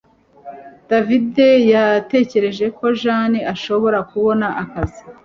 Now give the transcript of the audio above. David yatekereje ko Jane ashobora kubona akazi